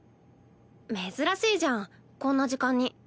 珍しいじゃんこんな時間に。